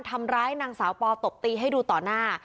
ทำร้ายนางสาวปอตบตีให้ดูต่อหน้า